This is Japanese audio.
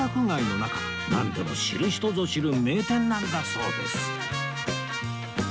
なんでも知る人ぞ知る名店なんだそうです